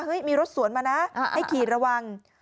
มีรถสวนมานะให้ขี่ระวัง